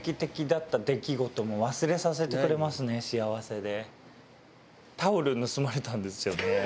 幸せで。